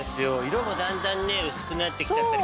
色もだんだんね薄くなってきちゃったり。